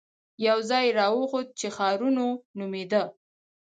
يو ځاى يې راوښود چې ښارنو نومېده.